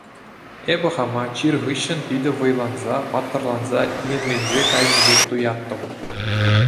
Эпӗ хама чир хыҫҫӑн питӗ вӑйланса, паттӑрланса, илемленсе кайнӑ пек туяттӑм.